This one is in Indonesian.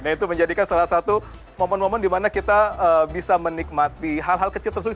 nah itu menjadikan salah satu momen momen di mana kita bisa menikmati hal hal kecil tersebut